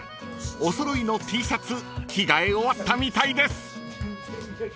お揃いのＴシャツ着替え終わったみたいです］